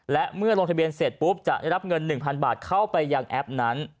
และเมื่อลงทะเบียนเสร็จปุ๊บจะได้รับเงิน๑๐๐๐บาทเข้าไปยังแอปนั้น